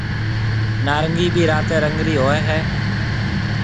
نارنگِي بي راتيَ رنگ رِي هوئي هيَ۔